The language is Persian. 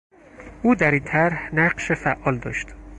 او در این طرح نقش فعال داشت.